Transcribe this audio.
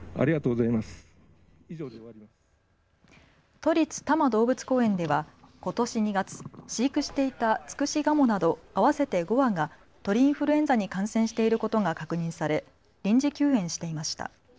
都立多摩動物公園ではことし２月、飼育していたツクシガモなど合わせて５羽が鳥インフルエンザに感染していることが確認され臨時休園していました。